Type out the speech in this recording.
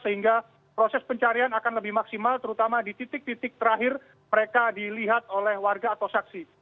sehingga proses pencarian akan lebih maksimal terutama di titik titik terakhir mereka dilihat oleh warga atau saksi